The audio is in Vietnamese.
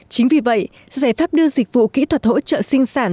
chính vì vậy giải pháp đưa dịch vụ kỹ thuật hỗ trợ sinh sản